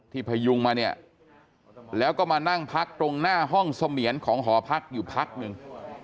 พยุงมาเนี่ยแล้วก็มานั่งพักตรงหน้าห้องเสมียนของหอพักอยู่พักหนึ่ง